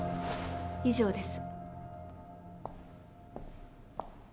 以上です。